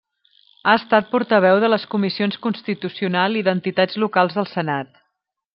Ha estat portaveu de les comissions Constitucional i d'Entitats Locals del Senat.